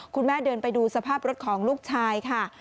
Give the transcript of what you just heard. คุณแม่เดินไปดูสภาพรถของลูกชายค่ะ